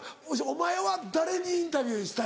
お前は誰にインタビューしたい？